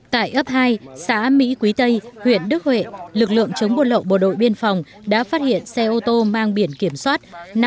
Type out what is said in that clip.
tại ấp hai xã mỹ quý tây huyện đức huệ lực lượng chống buôn lậu bộ đội biên phòng đã phát hiện xe ô tô mang biển kiểm soát năm triệu một trăm sáu mươi chín nghìn ba trăm hai mươi tám